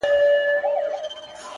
• اوس يې څنگه ښه له ياده وباسم ـ